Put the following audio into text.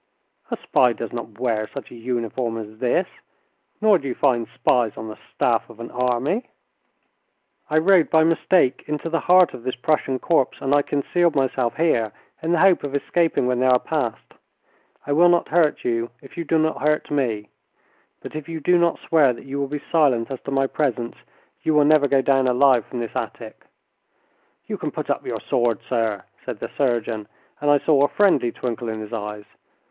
"A spy does not wear such a uniform as this, nor do you find spies on the staff of an army. I rode by mistake into the heart of this Prussian corps, and I concealed myself here in the hope of escaping when they are past. I will not hurt you if you do not hurt me, but if you do not swear that you will be silent as to my presence you will never go down alive from this attic." "You can put up your sword, sir," said the surgeon, and I saw a friendly twinkle in his eyes.